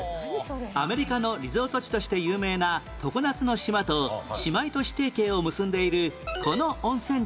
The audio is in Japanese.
アメリカのリゾート地として有名な常夏の島と姉妹都市提携を結んでいるこの温泉地の名前は？